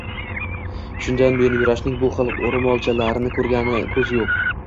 Shundan buyon Yurashning bu xil roʻmolchalarni koʻrgani koʻzi yoʻq.